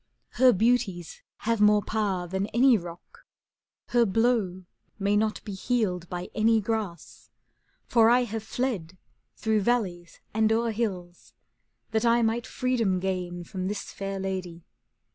Her beauties have more power than any rock, Her blow may not be healed by any grass ;^ For I have fled through valleys and o'er hills. That I might freedom gain from this fair lady.